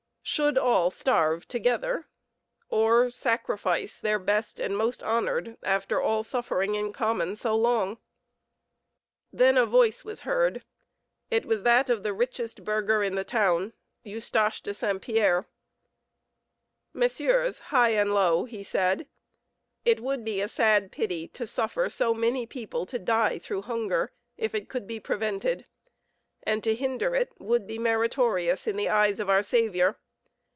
Should all starve together, or sacrifice their best and most honored after all suffering in common so long? Then a voice was heard; it was that of the richest burgher in the town, Eustache de St. Pierre. "Messieurs, high and low," he said, "it would be a sad pity to suffer so many people to die through hunger, if it could be prevented; and to hinder it would be meritorious in the eyes of our Saviour.